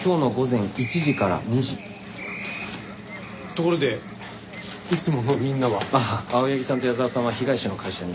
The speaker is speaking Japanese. ところでいつものみんなは？ああ青柳さんと矢沢さんは被害者の会社に。